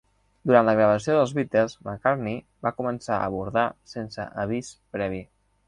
Durant la gravació dels Beatles, McCartney va començar a bordar sense avís previ.